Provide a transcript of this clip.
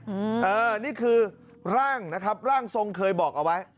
เออนี่คือร่างนะครับร่างทรงเคยบอกเอาไว้